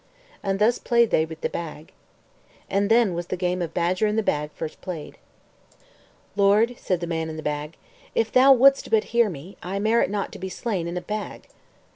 And thus played they with the bag. And then was the game of Badger in the Bag first played. "Lord," said the man in the bag, "if thou wouldst but hear me, I merit not to be slain in a bag."